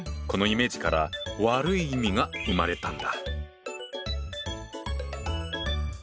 このイメージから悪い意味が生まれたんだ。